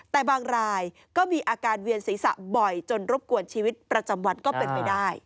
แต่บางรายก็มีอาการเวียนศีรษะบ่อยจนรบกวนชีวิตประจำวันก็เป็นไปได้